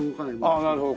ああなるほど。